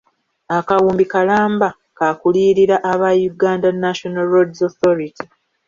Akawumbi kalamba ka kuliyirira aba Uganda National Roads Authority.